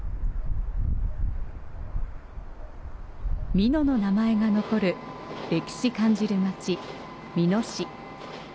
美濃の名前が残る歴史感じる町、美濃市。